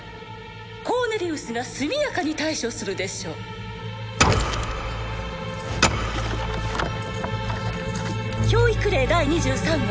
コーネリウスが速やかに対処するでしょう「教育令第２３号」